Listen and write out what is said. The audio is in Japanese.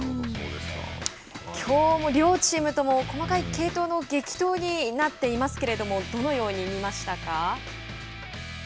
きょうも両チームとも細かい継投の激闘になっていますけれどもどのように見ましたか。